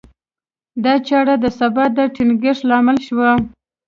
دا چاره د ثبات د ټینګښت لامل شوه.